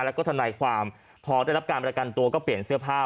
แล้วก็ทนายความพอได้รับการประกันตัวก็เปลี่ยนเสื้อผ้า